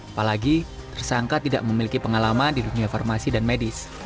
apalagi tersangka tidak memiliki pengalaman di dunia farmasi dan medis